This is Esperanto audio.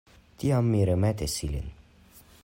Tiam mi remetis ilin.